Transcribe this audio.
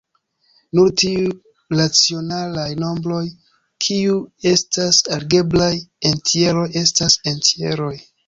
Nur tiuj racionalaj nombroj kiu estas algebraj entjeroj estas entjeroj.